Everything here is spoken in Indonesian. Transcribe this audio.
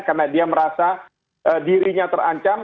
karena dia merasa dirinya terancam